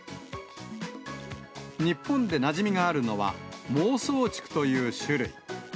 日本でなじみがあるのは、孟宗竹という種類。